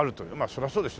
そりゃそうです。